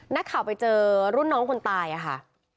นักข่าวไปเจอรุ่นน้องคนตายค่ะ